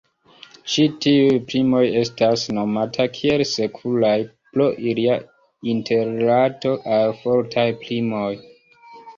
Ĉi tiuj primoj estas nomata kiel "sekuraj" pro ilia interrilato al fortaj primoj.